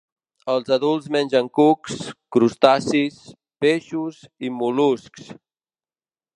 Els adults mengen cucs, crustacis, peixos i mol·luscs.